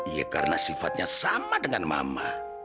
ya karena sifatnya sama dengan mama